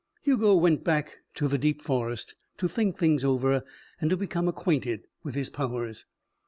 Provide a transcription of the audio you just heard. Hugo went back to the deep forest to think things over and to become acquainted with his powers.